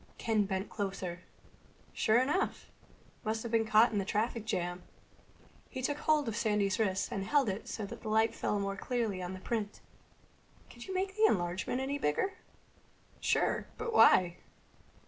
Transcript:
Ken bent closer. "Sure enough! Must have been caught in the traffic jam." He took hold of Sandy's wrist and held it so that light fell more clearly on the print. "Could you make the enlargement any bigger?" "Sure. But why?"